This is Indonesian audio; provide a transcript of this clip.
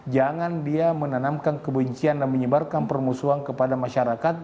jangan dia menanamkan kebencian dan menyebarkan permusuhan kepada masyarakat